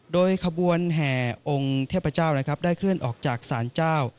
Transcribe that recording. โดยขบวนแห่องค์เทพเจ้านะครับได้เคลื่อนออกจากศาลเจ้า